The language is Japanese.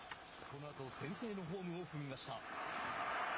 このあと先制のホームを踏みました。